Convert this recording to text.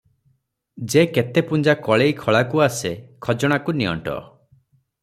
ଯେ କେତେ ପୁଞ୍ଜା କଳେଇ ଖଳାକୁ ଆସେ, ଖଜଣାକୁ ନିଅଣ୍ଟ ।